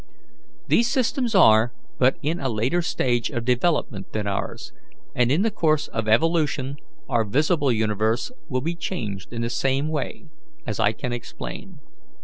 These systems are but in a later stage of development than ours; and in the course of evolution our visible universe will be changed in the same way, as I can explain.